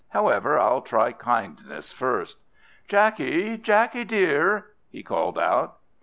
However, I'll try kindness first. Jackie, Jackie dear!" he called out.